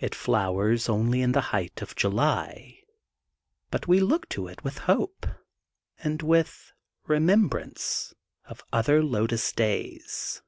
It flowers only in the height of July but we look to it in hope and with remembrance of other lotus days.